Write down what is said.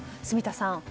住田さん